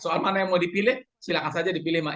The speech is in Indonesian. soal mana yang mau dipilih silakan saja dipilih mak